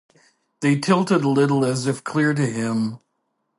They tilted a little as if to clear him.